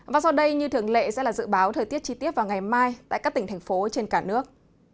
và sau đây như thường lệ sẽ là dự báo thời tiết chi tiết vào ngày mai tại các tỉnh thành phố trên cả nước